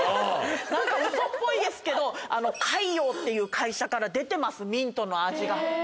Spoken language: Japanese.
何かウソっぽいですけど開陽っていう会社から出てます。